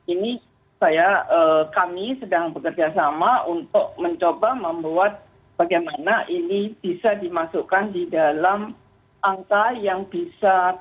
ini kami sedang bekerjasama untuk mencoba membuat bagaimana ini bisa dimasukkan di dalam angka yang bisa